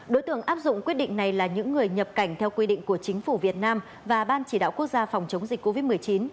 đối tượng áp dụng quyết định này là những người nhập cảnh theo quy định của chính phủ việt nam và ban chỉ đạo quốc gia phòng chống dịch covid một mươi chín